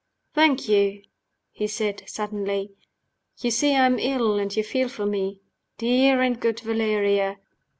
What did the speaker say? "Thank you," he said, suddenly. "You see I am ill, and you feel for me. Dear and good Valeria!"